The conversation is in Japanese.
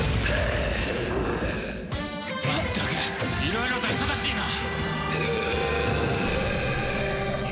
まったくいろいろと忙しいな。